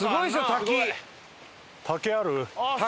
滝ある？